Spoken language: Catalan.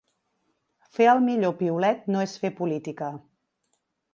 Fer el millor piulet no és fer política.